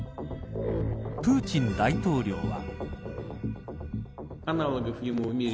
プーチン大統領は。